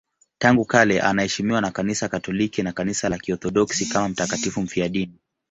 Tangu kale anaheshimiwa na Kanisa Katoliki na Kanisa la Kiorthodoksi kama mtakatifu mfiadini.